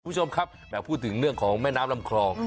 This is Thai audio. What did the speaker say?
คุณผู้ชมครับแหมพูดถึงเรื่องของแม่น้ำลำคลอง